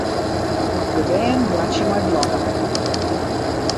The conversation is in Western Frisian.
De bern boartsje mei blokken.